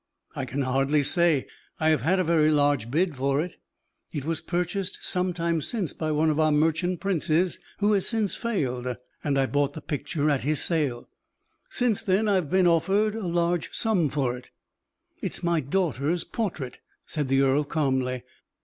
"I can hardly say; I have had a very large bid for it. It was purchased some time since by one of our merchant princes, who has since failed, and I bought the picture at his sale; since then I have been offered a large sum for it." "It is my daughter's portrait," said the earl, calmly.